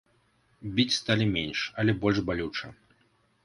Біць сталі менш, але больш балюча.